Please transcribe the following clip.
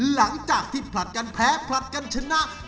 หลังจากที่ผลัดกันแพ้ผลัดกันชนะ